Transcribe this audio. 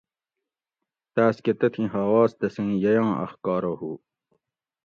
تاۤس کہ تتھی ھاواز تسیں ییٔاں اخکارہ ھو